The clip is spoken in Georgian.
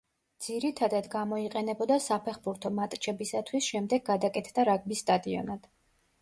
ძირითადად გამოიყენებოდა საფეხბურთო მატჩებისათვის, შემდეგ გადაკეთდა რაგბის სტადიონად.